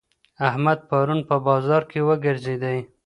احمد پرون په بازار کي وګرځېدی.